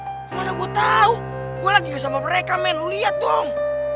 gimana gua tau gua lagi sama mereka men lu liat dong